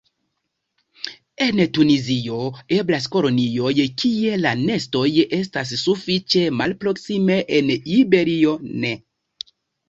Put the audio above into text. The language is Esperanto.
En Tunizio eblas kolonioj kie la nestoj estas sufiĉe malproksime; en Iberio ne.